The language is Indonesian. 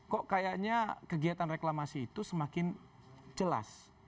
kok kayaknya kegiatan reklamasi itu semakin jelas